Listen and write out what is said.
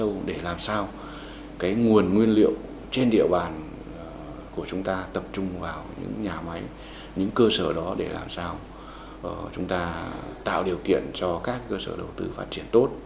các doanh nghiệp đã đầu tư các nhà máy chế biến sâu để làm sao nguồn nguyên liệu trên địa bàn của chúng ta tập trung vào những nhà máy những cơ sở đó để làm sao chúng ta tạo điều kiện cho các cơ sở đầu tư phát triển tốt